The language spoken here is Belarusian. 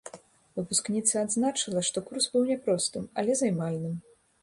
Выпускніца адзначыла, што курс быў няпростым, але займальным.